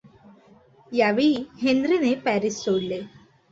यावेळी हेन्रीने पॅरिस सोडले.